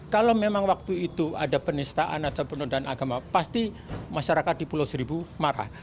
kalau memang waktu itu ada penistaan atau penundaan agama pasti masyarakat di pulau seribu marah